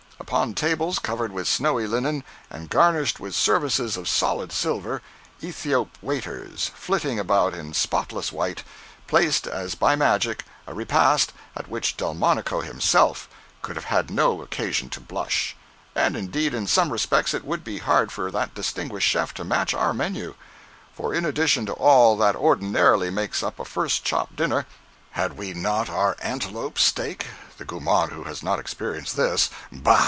Upon tables covered with snowy linen, and garnished with services of solid silver, Ethiop waiters, flitting about in spotless white, placed as by magic a repast at which Delmonico himself could have had no occasion to blush; and, indeed, in some respects it would be hard for that distinguished chef to match our menu; for, in addition to all that ordinarily makes up a first chop dinner, had we not our antelope steak (the gormand who has not experienced this—bah!